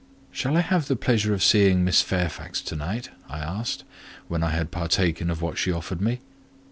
"Shall I have the pleasure of seeing Miss Fairfax to night?" I asked, when I had partaken of what she offered me.